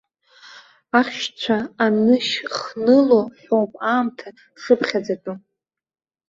Ахьшьцәа анышьхныло ҳәоуп аамҭа шыԥхьаӡатәу.